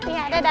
nih ada ada